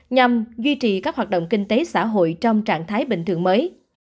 nhằm duy trì các hoạt động kinh tế xã hội trong trạng thái bình thường mới